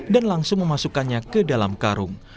dan langsung memasukkannya ke dalam karung